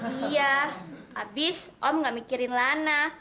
iya abis om gak mikirin lana